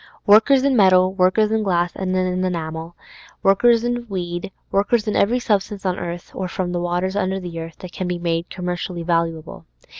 Workers in metal, workers in glass and in enamel, workers in weed, workers in every substance on earth, or from the waters under the earth, that can be made commercially valuable.